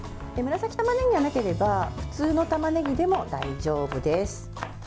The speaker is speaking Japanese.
紫たまねぎがなければ普通のたまねぎでも大丈夫です。